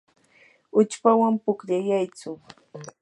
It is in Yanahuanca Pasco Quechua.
uchpawan pukllayaytsu.